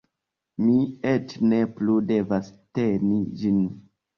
Mi eĉ ne plu devas teni ĝin